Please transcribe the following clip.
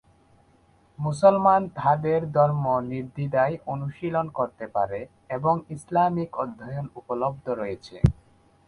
মুসলমানরা তাদের ধর্ম নির্দ্বিধায় অনুশীলন করতে পারে এবং ইসলামিক অধ্যয়ন উপলব্ধ রয়েছে।